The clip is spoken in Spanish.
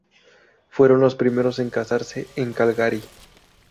Fueron los primeros en casarse en Calgary.